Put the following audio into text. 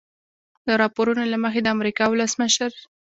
د راپورونو له مخې د امریکا ولسمشر